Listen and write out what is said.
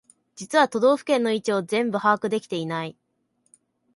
実は都道府県の位置を全部把握できてない